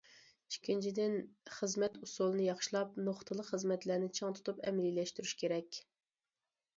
ئىككىنچىدىن، خىزمەت ئۇسۇلىنى ياخشىلاپ، نۇقتىلىق خىزمەتلەرنى چىڭ تۇتۇپ ئەمەلىيلەشتۈرۈش كېرەك.